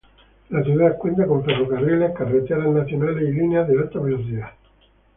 La ciudad cuenta con ferrocarriles, carreteras nacionales y líneas de alta velocidad.